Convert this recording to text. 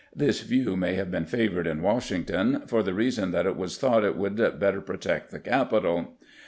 This view may have been favored in Washington for the reason that it was thought it would better protect the capital.